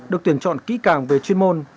được tuyển chọn kỹ càng về chuyên môn